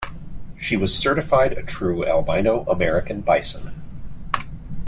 She was certified a true Albino American Bison.